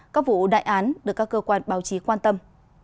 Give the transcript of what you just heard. các vụ đại án được các cơ quan báo chí quan tâm